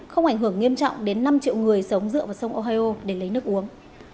không ảnh hưởng nghiêm trọng đến năm triệu người sống dựa vào sông ohio để lấy nước uống